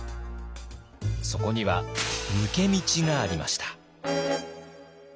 そこには抜け道がありました。